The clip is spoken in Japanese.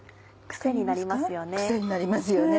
クセになりますよね。